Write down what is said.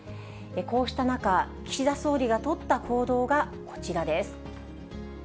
こうした中、岸田総理が取った行動がこちらです。